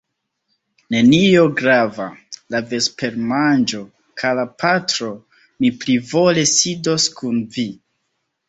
Nenio grava, la vespermanĝo, kara patro; mi plivole sidos kun vi.